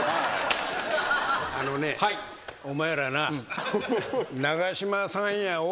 あのねお前らな。